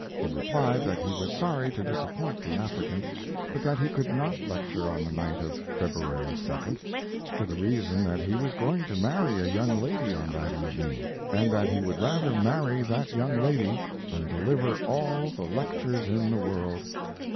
He replied that he was sorry to disappoint the applicant, but that he could not lecture on the night of February 2d, for the reason that he was going to marry a young lady on that evening, and that he would rather marry that young lady than deliver all the lectures in the world.